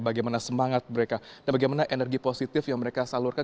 bagaimana semangat mereka dan bagaimana energi positif yang mereka salurkan